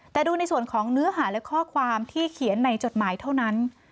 แต่ดูในส่วนของเนื้อหาและข้อความที่เขียนในจดหมายเท่านั้น